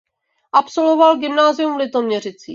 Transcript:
Absolvoval gymnázium v Litoměřicích.